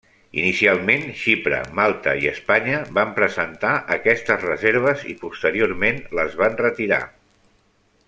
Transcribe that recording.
Inicialment, Xipre, Malta i Espanya van presentar aquestes reserves i posteriorment les van retirar.